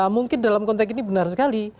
mungkin dalam konteks ini benar sekali